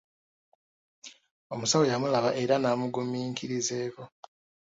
Omusawo yamulaba era n'amuggumiikirizeeko.